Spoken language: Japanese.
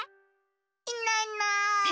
いないいない。